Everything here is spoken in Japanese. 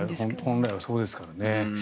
本来はそうですけどね。